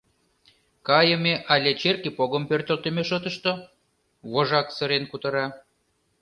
Кайыме але черке погым пӧртылтымӧ шотышто? — вожак сырен кутыра.